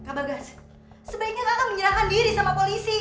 pak bagas sebaiknya kakak menyerahkan diri sama polisi